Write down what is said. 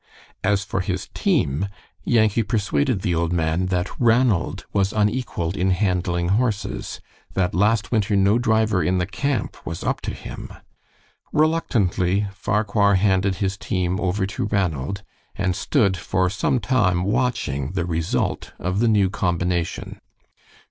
As for his team, Yankee persuaded the old man that Ranald was unequaled in handling horses; that last winter no driver in the camp was up to him. Reluctantly Farquhar handed his team over to Ranald, and stood for some time watching the result of the new combination.